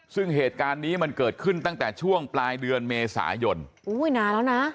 ซึ่งเหตุการณ์นี้มันเกิดขึ้นตั้งแต่ช่วงปลายเดือนเมษายนอุ้ยนานแล้วนะ